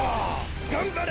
がんばれ！